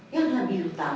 yang lebih utama